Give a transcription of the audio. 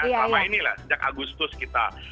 selama ini lah sejak agustus kita